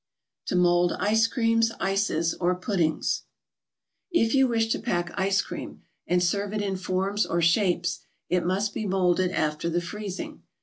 TO MOLD ICE CREAMS, ICES OR PUDDINGS If you wish to pack ice cream and serve it in forms or shapes, it must be molded after the freezing.